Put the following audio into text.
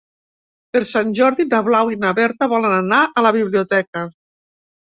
Per Sant Jordi na Blau i na Berta volen anar a la biblioteca.